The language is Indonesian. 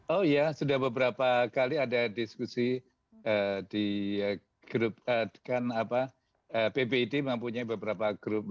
oh iya sudah beberapa kali ada diskusi di grup pbid mempunyai beberapa grup